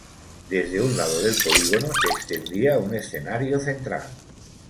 Desde un lado del polígono se extendía un escenario central.